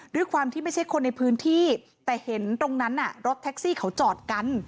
ด้วยความที่ไม่ใช่คนในพื้นที่แต่เห็นตรงนั้นรถแท็กซี่เขาจอดกัน